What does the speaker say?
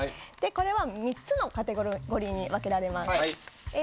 これは３つのカテゴリーに分けられます。